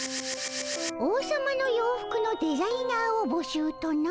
王様の洋服のデザイナーをぼしゅうとな？